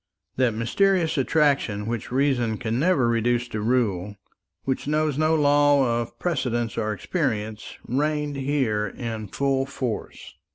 That mysterious attraction which reason can never reduce to rule, which knows no law of precedent or experience, reigned here in full force.